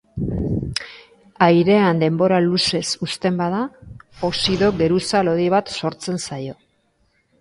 Airean denbora luzez uzten bada, oxido-geruza lodi bat sortzen zaio.